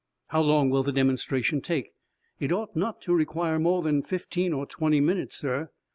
"How long will the demonstration take?" "It ought not to require more than fifteen or twenty minutes, sir."